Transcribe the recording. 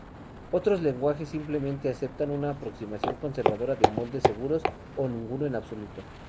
Otros lenguajes simplemente aceptan una aproximación conservadora de moldes seguros, o ninguno en absoluto.